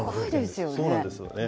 そうなんですよね。